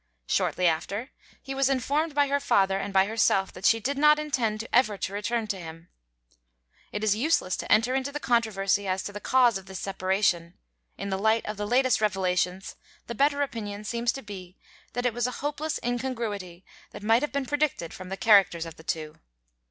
Shortly after, he was informed by her father and by herself that she did not intend ever to return to him. It is useless to enter into the controversy as to the cause of this separation. In the light of the latest revelations, the better opinion seems to be that it was a hopeless incongruity that might have been predicted from the characters of the two.